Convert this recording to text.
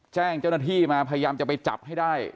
แจ้งเจ้าหน้าที่มาพยายามจะไปจับให้ได้